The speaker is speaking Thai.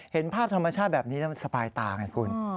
เห็นภาพธรรมชาติแบบนี้แล้วมันสบายตาไงคุณ